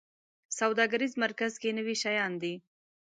سوداګریز مرکز کې نوي شیان دي